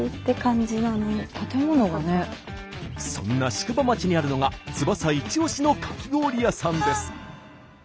そんな宿場町にあるのが翼イチオシのかき氷屋さんです。